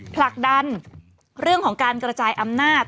ผลักดันเรื่องของการกระจายอำนาจ